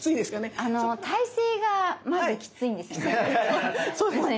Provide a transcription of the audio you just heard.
あの体勢がまずきついんですよね。